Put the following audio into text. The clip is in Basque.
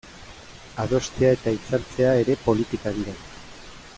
Adostea eta hitzartzea ere politika dira.